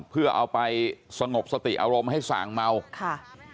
เพื่อเอาไปสงบสติอารมณ์ให้สางเมาค่ะ